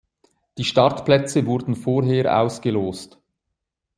Die Startplätze wurden vorher ausgelost.